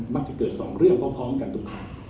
มันจะเกิดสองเรื่องพร้อมกันทุกครั้ง